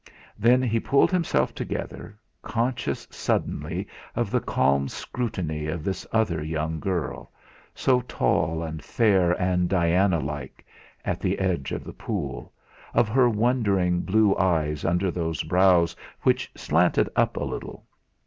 Then he pulled himself together, conscious suddenly of the calm scrutiny of this other young girl, so tall and fair and Diana like, at the edge of the pool, of her wondering blue eyes under those brows which slanted up a little.